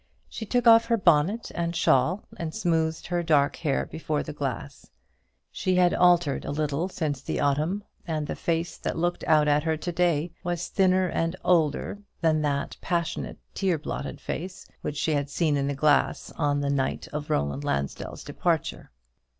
She took off her bonnet and shawl, and smoothed her dark hair before the glass. She had altered a little since the autumn, and the face that looked out at her to day was thinner and older than that passionate tear blotted face which she had seen in the glass on the night of Roland Lansdell's departure.